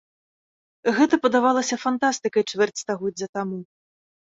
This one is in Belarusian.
Гэта падавалася фантастыкай чвэрць стагоддзя таму.